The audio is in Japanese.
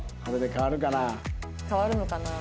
変わるのかな？